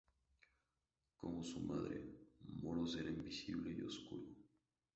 Como su madre, Moros era invisible y oscuro.